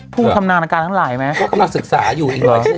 ผู้ชำนาญการทั้งหลายไหมก็กำลังศึกษาอยู่อีกหน่อยใช่ไหม